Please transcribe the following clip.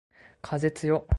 風つよ